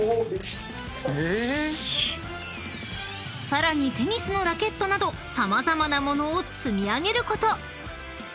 ［さらにテニスのラケットなど様々な物を積み上げること］